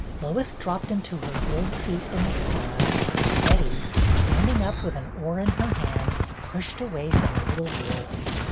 Lois dropped into her old seat in the stern, and Betty, standing up with an oar in THE PICNIC 27 her hand, pushed away from the little wharf.